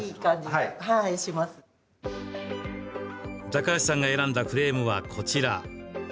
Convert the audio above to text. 高橋さんが選んだフレームはこちら。